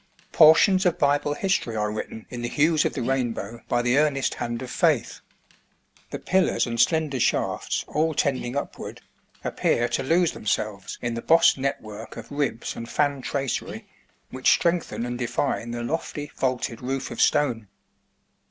" Portions of Bible history are written in the hues of the rainbow by the earnest hand of faith." The pillars and slender shafts, all tending upward, appear to lose themselves in the bossed network of ribs and fan tracery which strengthen and define the lofty, vaulted roof of stone.